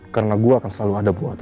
karena gue akan selalu ada buat lo